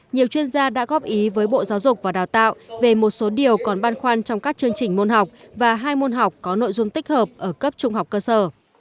nhiều chuyên gia đã góp ý với bộ giáo dục và đào tạo về một số điều còn ban khoan trong các chương trình môn học và hai môn học có nội dung tích hợp ở cấp trung học cơ sở